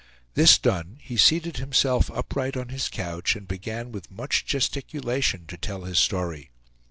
This done, he seated himself upright on his couch, and began with much gesticulation to tell his story.